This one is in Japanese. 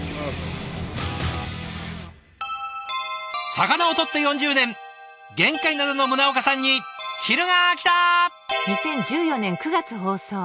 魚をとって４０年玄界灘の宗岡さんに昼がきた。